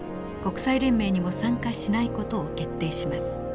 国際連盟にも参加しない事を決定します。